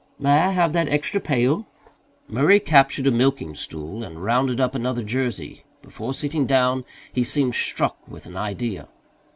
May I have that extra pail?" Murray captured a milking stool and rounded up another Jersey. Before sitting down he seemed struck with an idea.